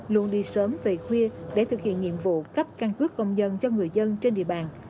luôn đi sớm về khuya để thực hiện nhiệm vụ cấp căn cước công dân cho người dân trên địa bàn